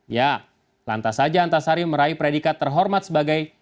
ya lantas saja antasari meraih predikat terhormat sebagai